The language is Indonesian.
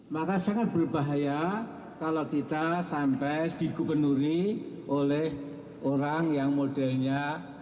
maka sangat berbahaya kalau kita sampai digupenuhi oleh orang yang modelnya